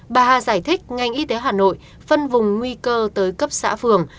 bà hà giải thích ngành y tế hà nội phân vùng nguy cơ tới cấp xã phường